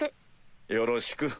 よろしく。